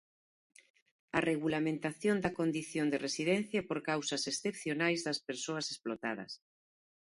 A regulamentación da condición de residencia por causas excepcionais das persoas explotadas.